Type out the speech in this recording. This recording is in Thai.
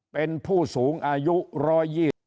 เป็นผู้สูงอายุ๑๒๐